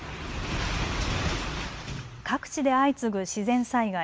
各地で相次ぐ自然災害。